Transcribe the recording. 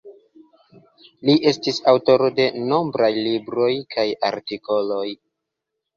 Li estis aŭtoro de nombraj libroj kaj artikoloj.